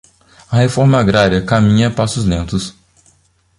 A reforma agrária caminha a passos lentos